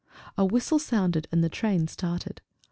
A whistle sounded, and the train started.